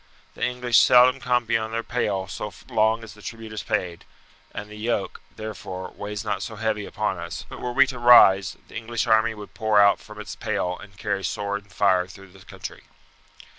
The English seldom come beyond their pale so long as the tribute is paid, and the yoke, therefore, weighs not so heavy upon us; but were we to rise, the English army would pour out from its pale and carry fire and sword throughout the country.